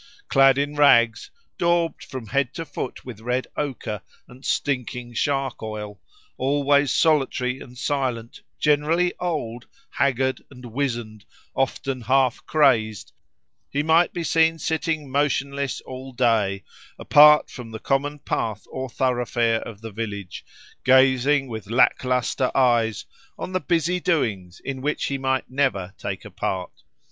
Clad in rags, daubed from head to foot with red ochre and stinking shark oil, always solitary and silent, generally old, haggard, and wizened, often half crazed, he might be seen sitting motionless all day apart from the common path or thoroughfare of the village, gazing with lack lustre eyes on the busy doings in which he might never take a part.